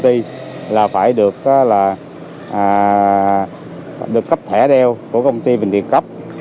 thứ nhất là theo quy định của công ty là phải được cấp thẻ đeo của công ty bình điên cấp